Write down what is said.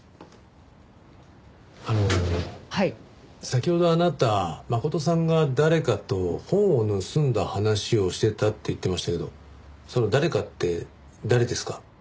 先ほどあなた真琴さんが誰かと本を盗んだ話をしていたって言ってましたけどその誰かって誰ですか？